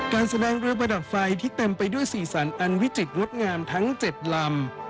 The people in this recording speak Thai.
การแสดงเรือประดับไฟที่เต็มไปด้วยสีสันอันวิจิตรงดงามทั้ง๗ลำ